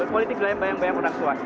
politik dalam bayang bayang orang tua